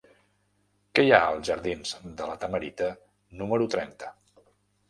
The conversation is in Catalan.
Què hi ha als jardins de La Tamarita número trenta?